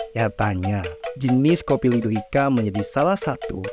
yaitu jenis kopi liberica menjadi salah satu